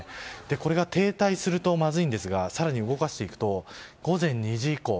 これが停滞するとまずいんですが更に動かしていくと午前２時以降